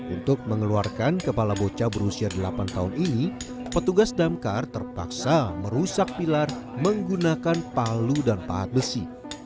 untuk mengeluarkan kepala bocah berusia delapan tahun ini petugas damkar terpaksa merusak pilar menggunakan palu dan pahat besi